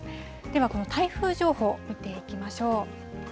では、この台風情報、見ていきましょう。